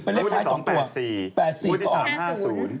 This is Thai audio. ก็ออกไปรถท้าย๒ตัว